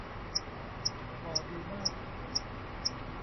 ห่อดีมาก